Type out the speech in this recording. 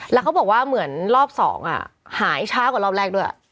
แล้วเขาบอกว่าเหมือนรอบ๒หายช้ากว่ารอบแรกด้วย